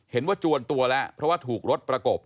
จวนตัวแล้วเพราะว่าถูกรถประกบ